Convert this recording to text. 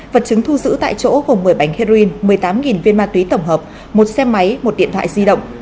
vật chứng thu giữ tại chỗ gồm một mươi bánh heroin một mươi tám viên ma túy tổng hợp một xe máy một điện thoại di động